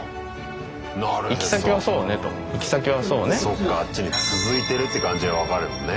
そっかあっちに続いてるって感じが分かるもんね